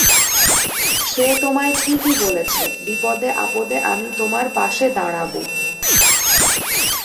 সে তোমায় ঠিকই বলেছে, বিপদে-আপদে আমি তোমার পাশে দাঁড়াব।